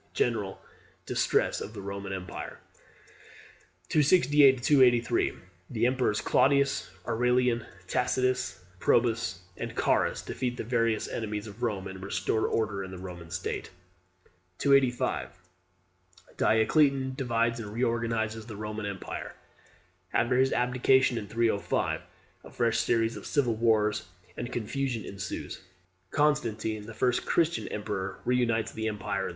General distress of the Roman empire. 268 283. The emperors Claudius, Aurelian, Tacitus, Probus, and Carus defeat the various enemies of Rome, and restore order in the Roman state. 285. Diocletian divides and reorganizes the Roman empire. After his abdication in 305 a fresh series of civil wars and confusion ensues. Constantine, the first Christian emperor, reunites the empire in 324.